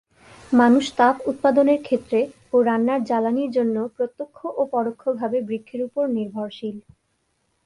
মানুষ তাপ উৎপাদনের ক্ষেত্রে ও রান্নার জ্বালানির জন্য প্রত্যক্ষ ও পরোক্ষভাবে বৃক্ষের উপর নির্ভরশীল।